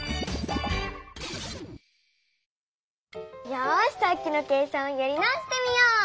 よしさっきの計算をやり直してみよう！